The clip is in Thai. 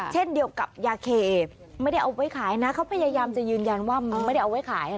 เช่นเดียวกับยาเคไม่ได้เอาไว้ขายนะเขาพยายามจะยืนยันว่าไม่ได้เอาไว้ขาย